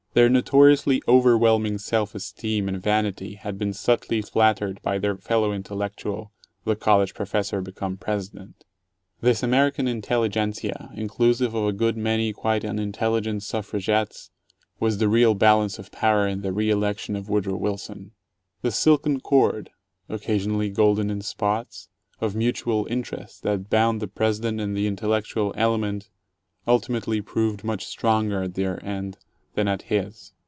Their notoriously overwhelming self esteem and vanity had been subtly flattered by their fellow intellectual, the college professor become President. This American intelligentzia inclusive of a good many quite unintelligent suffragettes, was the real "balance of power" in the re election of Woodrow Wilson. The silken cord (occasionally golden in spots) of mutual interest that bound the President and the intellectual element ultimately proved much stronger at their end that at his.